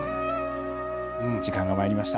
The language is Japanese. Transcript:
時間がまいりました。